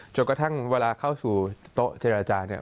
จนกระทั่งเวลาเข้าสู่โต๊ะเจรจาเนี่ย